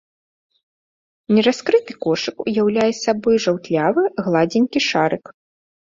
Нераскрыты кошык уяўляе сабой жаўтлявы, гладзенькі шарык.